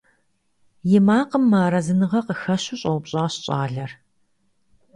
И макъым мыарэзыныгъэ къыхэщу щӀэупщӀащ щӀалэр.